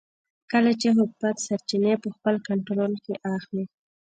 کله چې حکومت سرچینې په خپل کنټرول کې اخلي.